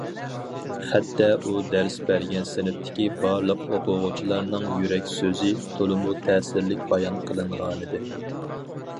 خەتتە ئۇ دەرس بەرگەن سىنىپتىكى بارلىق ئوقۇغۇچىلارنىڭ يۈرەك سۆزى تولىمۇ تەسىرلىك بايان قىلىنغانىدى.